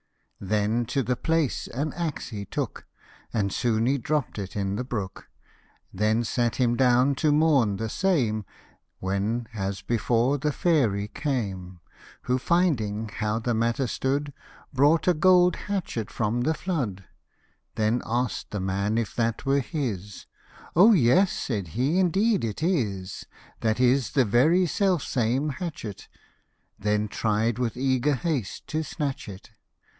48 Then to the place an axe he took, And soon he dropt it in the brook ; Then sat him down to mourn the same, When, as before, the fairy came ; Who, finding how the matter stood, Brought a gold hatchet from the flood ; Then ask'd the man if that were his :" O yes !" said he, " indeed it is : That is the very self same hatchet :" Then tried with eager haste to snatch it.